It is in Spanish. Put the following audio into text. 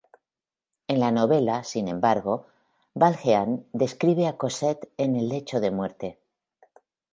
En la novela, sin embargo Valjean describe a Cosette en el lecho de muerte.